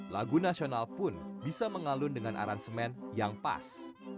lagu nasional pun bisa mengalun dengan aransemen yang pas